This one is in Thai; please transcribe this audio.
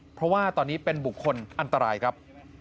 เพราะว่าตอนนี้เป็นบุคคลอันตรายครับ